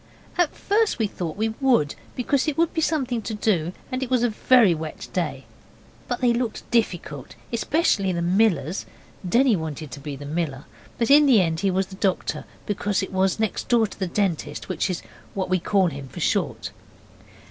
At first we thought we would, because it would be something to do, and it was a very wet day; but they looked difficult, especially the Miller's. Denny wanted to be the Miller, but in the end he was the Doctor, because it was next door to Dentist, which is what we call him for short.